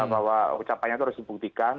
bahwa ucapannya itu harus dibuktikan